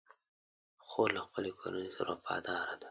خور له خپلې کورنۍ سره وفاداره ده.